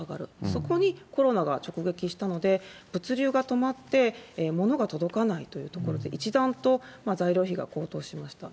そこにコロナが直撃したので、物流が止まって物が届かないというところで、一段と材料費が高騰しました。